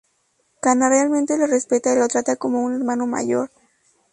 Kanna realmente lo respeta y lo trata como a un hermano mayor.